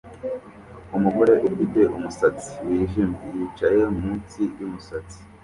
Umugore ufite umusatsi wijimye yicaye munsi yumusatsi